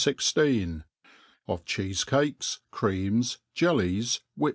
XVU Oi* CHEESECAKES, CREAMS, TELLIES, WHIP.